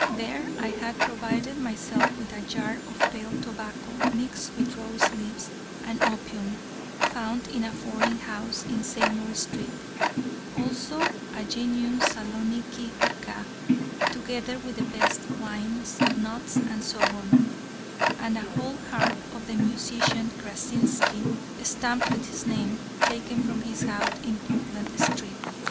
There I had provided myself with a jar of pale tobacco mixed with rose leaves and opium, found in a foreign house in Seymour Street, also a genuine Saloniki hookah, together with the best wines, nuts, and so on, and a gold harp of the musician Krasinski, stamped with his name, taken from his house in Portland Street.